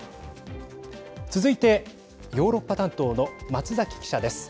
続いてヨーロッパ担当の松崎記者です。